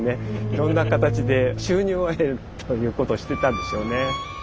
いろんな形で収入を得るということをしてたんでしょうね。